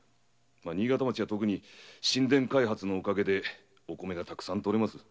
新潟町は特に新田開発のおかげでお米がたくさん取れます。